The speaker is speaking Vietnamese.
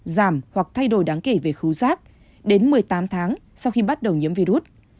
giảm hoặc thay đổi đáng kể về phú giác đến một mươi tám tháng sau khi bắt đầu nhiễm virus